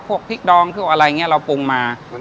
พวกพริกดองพวกอะไรอย่างนี้เราปรุงมา